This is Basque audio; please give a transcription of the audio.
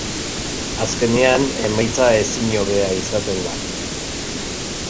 Azkenean, emaitza ezin hobea izaten da.